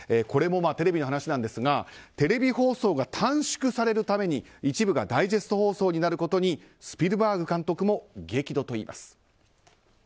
これもテレビの話なんですがテレビ放送が短縮されるために一部がダイジェスト放送になることにスピルバーグ監督も激怒といいます。